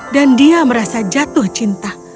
dan dia merasa jatuh cinta